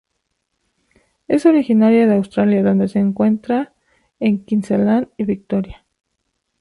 Es originaria de Australia donde se encuentra en Queensland y Victoria.